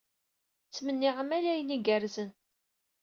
Ttmenniɣ-am ala ayen igerrzen.